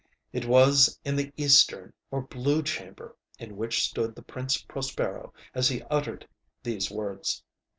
ŌĆØ It was in the eastern or blue chamber in which stood the Prince Prospero as he uttered these words.